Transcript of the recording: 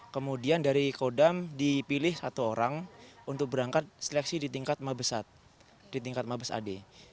kemudian dari kodam dipilih satu orang untuk berangkat seleksi di tingkat mabesat di tingkat mabes ade